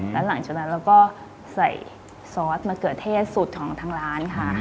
แล้วหลังจากนั้นเราก็ใส่ซอสมะเขือเทศสูตรของทางร้านค่ะ